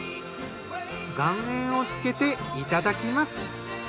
岩塩をつけていただきます。